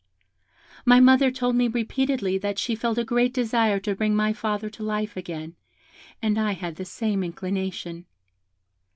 "My mother told me repeatedly that she felt a great desire to bring my father to life again, and I had the same inclination.